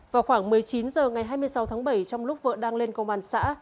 vào khoảng một mươi chín h ngày hai mươi sáu tháng bảy trong lúc vợ đang lên công an xã